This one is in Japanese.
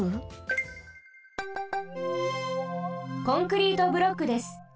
コンクリートブロックです。